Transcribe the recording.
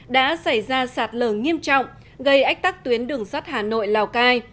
đã xảy ra sạt lở nghiêm trọng gây ách tắc tuyến đường sắt hà nội lào cai